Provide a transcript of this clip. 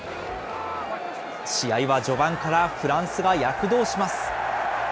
試合は序盤からフランスが躍動します。